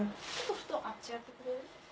布団あっちやってくれる？